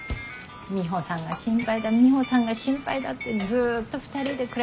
ミホさんが心配だミホさんが心配だってずっと２人で暮らしたがってたもんね。